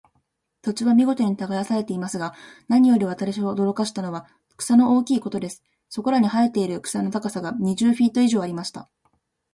土地は見事に耕されていますが、何より私を驚かしたのは、草の大きいことです。そこらに生えている草の高さが、二十フィート以上ありました。